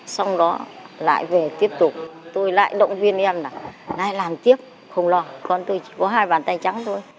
xong đó lại về tiếp tục tôi lại động viên em là ai làm tiếc không lo con tôi chỉ có hai bàn tay trắng thôi